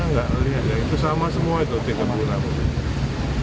saya nggak lihat ya itu sama semua itu tingkat rumah